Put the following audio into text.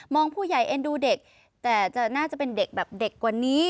ผู้ใหญ่เอ็นดูเด็กแต่น่าจะเป็นเด็กแบบเด็กกว่านี้